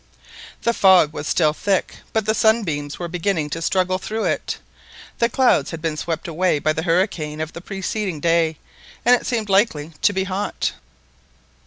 The fog was still thick, but the sunbeams were beginning to struggle through it. The clouds had been swept away by the hurricane of the preceding day, and it seemed likely to be hot.